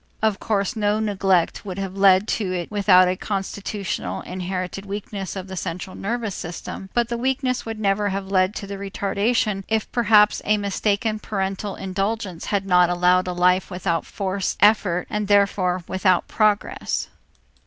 Of course no neglect would have led to it without a constitutional, inherited weakness of the central nervous system, but the weakness would never have led to the retardation if perhaps a mistaken parental indulgence had not allowed a life without forced effort and, therefore, without progress.